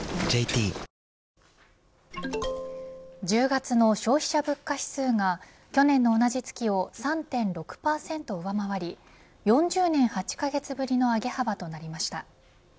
１０月の消費者物価指数が去年の同じ月を３．６％上回り４０年８カ月ぶりの上げ幅となりました。